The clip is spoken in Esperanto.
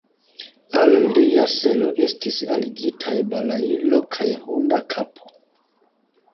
Al lia selo estis alligitaj balailo kaj hunda kapo.